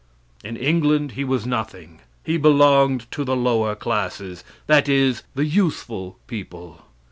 In England he was nothing. He belonged to the lower classes that is, the useful people.